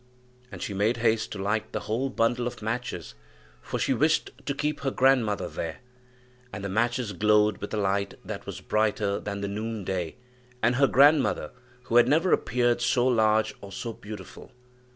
And she made haste to light the whole bundle of matches, for she wished to keep her grandmother there. And the matches glowed with a light that was brighter than the noon day, and her grandmother had never appeared so large or so beautiful.